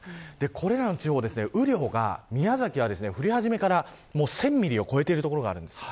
これらの地方、雨量が宮崎は降り始めから１０００ミリを超えている所があるんです。